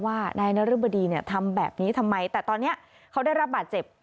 ว่านายนรึบดีเนี่ยทำแบบนี้ทำไมแต่ตอนนี้เขาได้รับบาดเจ็บ